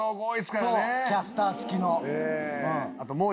キャスター付きの。